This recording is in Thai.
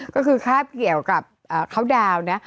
ก็คือคาดเกี่ยวกับเค้าดาว